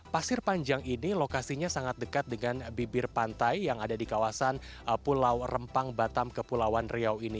pasir panjang ini lokasinya sangat dekat dengan bibir pantai yang ada di kawasan pulau rempang batam kepulauan riau ini